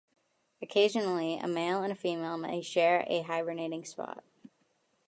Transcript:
Occasionally a male and female may share a hibernating spot.